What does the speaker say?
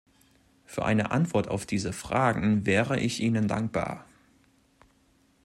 Für eine Antwort auf diese Fragen wäre ich Ihnen dankbar.